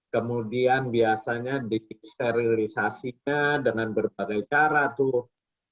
kemudian biasanya disterilisasinya dengan berbagai cara tuh